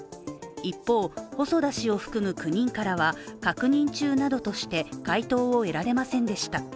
一方、細田氏を含む９人からは確認中などとして回答を得られませんでした。